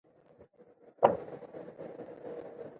د ولس ملاتړ د مشروعیت دوام ضامن دی